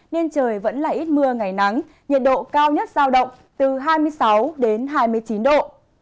nên trời vẫn là ít mưa ngày nắng nhiệt độ cao nhất giao động từ hai mươi sáu đến hai mươi chín độ